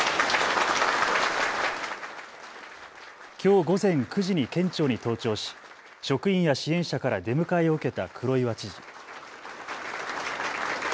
きょう午前９時に県庁に登庁し職員や支援者から出迎えを受けた黒岩知事。